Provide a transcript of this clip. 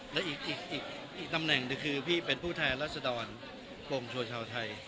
และอีกตำแหน่งคือพี่เป็นผู้แทนรัศดรงโชชาวไทย